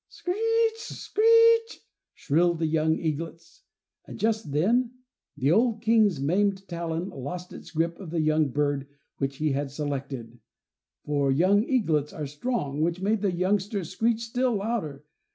"Screech, screech," shrilled the young eaglets, and just then the old King's maimed talon lost its grip of the young bird which he had selected, for young eaglets are strong, which made the youngsters screech still louder.